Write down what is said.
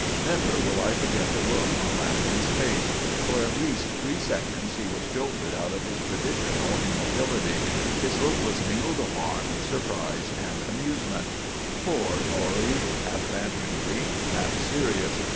Never will I forget the look on Lanagan's face. For at least three seconds, he was jolted out of his traditional immobility. His look was mingled alarm, surprise and amusement. "Poor Norrie!" half banteringly, half serious.